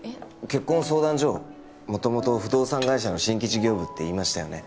結婚相談所元々不動産会社の新規事業部って言いましたよね